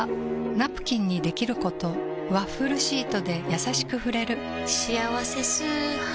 ナプキンにできることワッフルシートでやさしく触れる「しあわせ素肌」